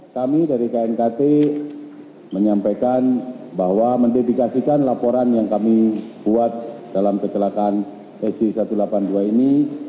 kami dari knkt menyampaikan bahwa mendedikasikan laporan yang kami buat dalam kecelakaan sg satu ratus delapan puluh dua ini